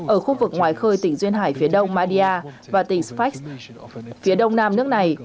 ở khu vực ngoài khơi tỉnh duyên hải phía đông madia và tỉnh faks phía đông nam nước này